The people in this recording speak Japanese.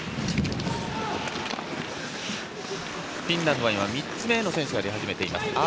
フィンランドは３つ目の選手が出始めています。